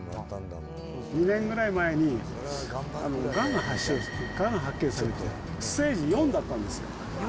２年くらい前に、がんが発症して、がんが発見されて、ステージ４だったんですよ。